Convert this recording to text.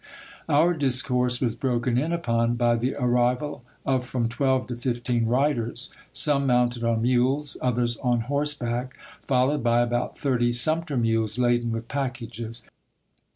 Our discourse was broken in upon by the arrival of from twelve to fifteen riders, some mounted on mules, others on horseback, followed by about thirty sumpter mules laden with packages.